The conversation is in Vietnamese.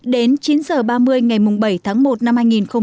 đến chín h ba mươi ngày bảy tháng một năm hai nghìn một mươi chín